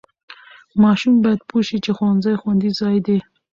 ماشوم باید پوه شي چې ښوونځي خوندي ځای دی.